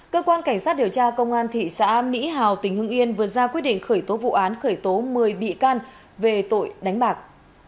cơ quan cảnh sát điều tra công an thị xã mỹ hào tỉnh hưng yên vừa ra quyết định khởi tố vụ án khởi tố một mươi bị can về tội đánh bạc